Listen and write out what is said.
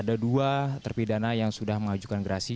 ada dua terpi dana yang sudah mengajukan gerasi